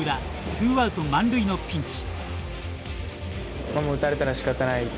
ツーアウト満塁のピンチ。